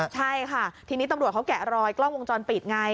ใช่ค่ะทีนี้ตำรวจเขาแกะรอยกล้องวงจรปิดไง